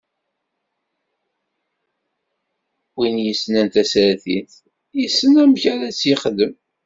Win yessnen tasertit, yessen amek ara tt-yexdem.